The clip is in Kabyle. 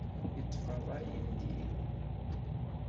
Yeṭṭef rray n diri.